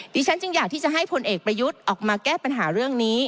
ฉันจึงอยากที่จะให้พลเอกประยุทธ์ออกมาแก้ปัญหาเรื่องนี้